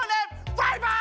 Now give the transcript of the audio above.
バイバイ！